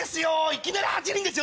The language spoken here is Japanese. いきなり８人ですよ